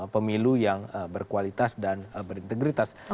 pemilu yang berkualitas dan berintegritas